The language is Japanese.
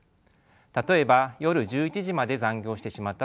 例えば夜１１時まで残業してしまったとします。